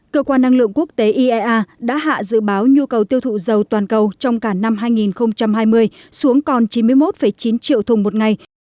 cơ quan năng lượng quốc tế iea đã hạ dự báo nhu cầu tiêu thụ dầu toàn cầu trong cả năm hai nghìn hai mươi xuống còn chín mươi một chín triệu thùng một ngày